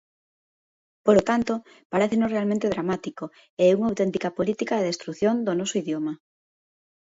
Polo tanto, parécenos realmente dramático e unha auténtica política de destrución do noso idioma.